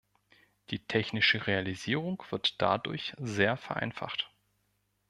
Die technische Realisierung wird dadurch sehr vereinfacht.